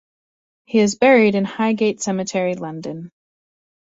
He is buried in Highgate Cemetery, London.